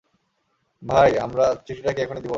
ভাইয়া, আমরা চিঠিটা কি এখনি দিব?